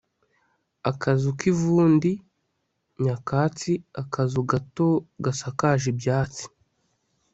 akazu k'ivundi nyakatsi akazu gato gasakaje ibyatsi